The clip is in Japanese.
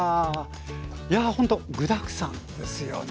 いやほんと具だくさんですよね。